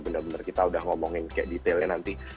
benar benar kita udah ngomongin kayak detailnya nanti